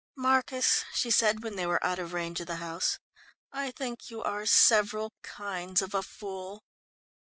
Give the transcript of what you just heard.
"Marcus," she said when they were out of range of the house, "I think you are several kinds of a fool."